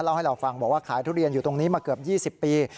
ให้เราฟังบอกว่าขายทุเรียนอยู่ตรงนี้มาเกือบ๒๐ปี